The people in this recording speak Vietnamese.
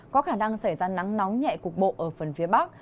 có khả năng xảy ra nắng nóng nhẹ cục bộ ở phần phía bắc